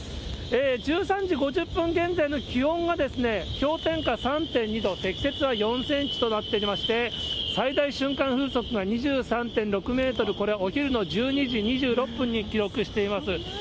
１３時５０分現在の気温は、氷点下３．２度、積雪は４センチとなってきまして、最大瞬間風速が２３．６メートル、これ、お昼の１２時２６分に記録しています。